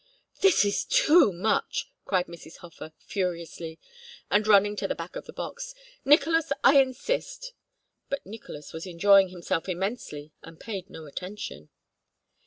"This is too much!" cried Mrs. Hofer, furiously, and running to the back of the box. "Nicolas, I insist!" But Nicolas was enjoying himself immensely and paid no attention.